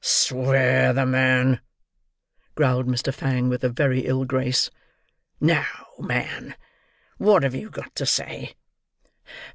"Swear the man," growled Mr. Fang, with a very ill grace. "Now, man, what have you got to say?"